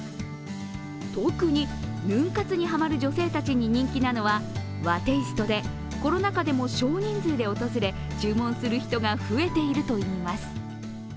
特にヌン活にハマる女性たちに人気なのは和テイストでコロナ禍でも少人数で訪れ、注文する人が増えているといいます。